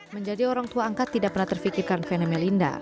menjadi orang tua angkat tidak pernah terfikirkan vena melinda